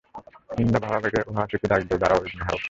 হিন্দা ভাবাবেগে ওয়াহশীকে ডাক দেয় দাড়াও ইবনে হারব।